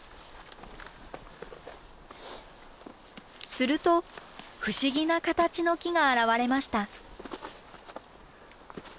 すると不思議な形の木が現れました。